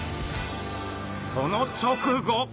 その直後。